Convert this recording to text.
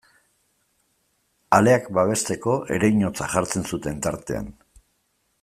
Aleak babesteko ereinotza jartzen zuten tartean.